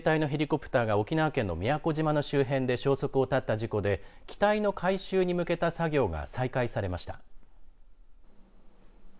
陸上自衛隊のヘリコプターが沖縄県の宮古島の消息を絶った事故で機体の回収に向けた作業が再開されました。